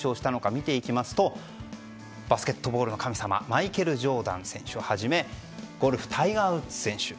見ていきますとバスケットボールの神様マイケル・ジョーダン選手をはじめゴルフ、タイガー・ウッズ選手